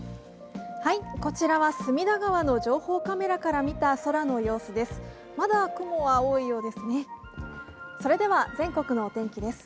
こちらは隅田川の情報カメラから見た空の様子です。